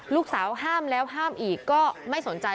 ห้ามแล้วห้ามอีกก็ไม่สนใจ